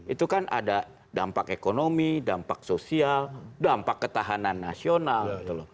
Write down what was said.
itu kan ada dampak ekonomi dampak sosial dampak ketahanan nasional